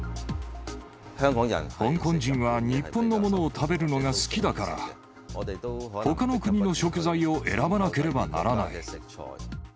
香港人は日本のものを食べるのが好きだから、ほかの国の食材を選ばなければならない。